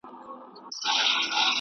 دا چای بدن ګرم ساتي او انرژي ورکوي.